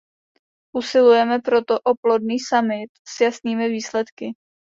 Usilujeme proto o plodný summit s jasnými výsledky.